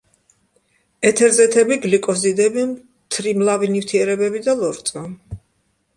ეთერზეთები, გლიკოზიდები, მთრიმლავი ნივთიერებები და ლორწო.